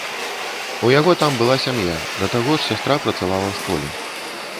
У яго там была сям'я, да таго ж, сястра працавала ў школе.